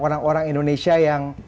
orang orang indonesia yang